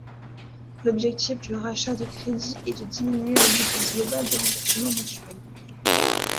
L'objectif du rachat de crédits est de diminuer le montant global des remboursements mensuels.